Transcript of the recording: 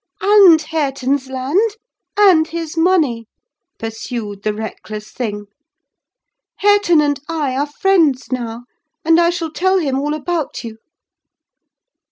"And Hareton's land, and his money," pursued the reckless thing. "Hareton and I are friends now; and I shall tell him all about you!"